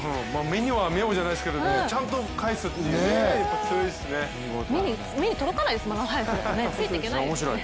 目には目をじゃないですけどちゃんと返すってやっぱ強いですね。